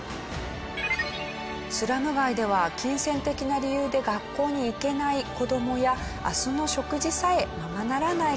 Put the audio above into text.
スラム街では金銭的な理由で学校に行けない子どもや明日の食事さえままならない